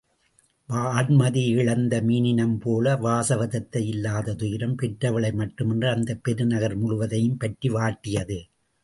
வான்மதி இழந்த மீனினம் போல, வாசவதத்தை இல்லாத துயரம் பெற்றவளை மட்டுமன்று, அந்தப் பெருநகர் முழுவதையும் பற்றி வாட்டியது.